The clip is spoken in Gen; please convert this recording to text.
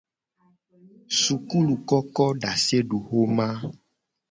Sukulukokodaseduxoma.